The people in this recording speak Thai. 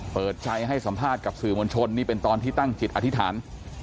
เปิดใจให้สัมภาษณ์กับสื่อมวลชนนี่เป็นตอนที่ตั้งจิตอธิษฐาน